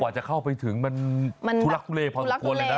จะเข้าไปถึงมันทุลักทุเลพอสมควรเลยนะ